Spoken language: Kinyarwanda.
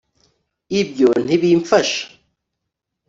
ibyo ntibimfasha